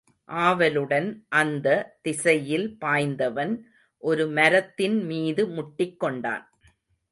ஆவலுடன் அந்த திசையில் பாய்ந்தவன் ஒரு மரத்தின் மீது முட்டிக் கொண்டான்.